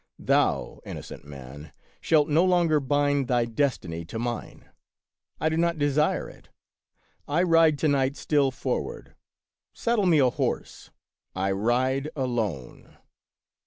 Thou, innocent man, shalt no longer bind thy destiny to mine. I do not desire it. I ride to night still forward: saddle of Peter SchlemihL 33 me a horse ; I ride alone.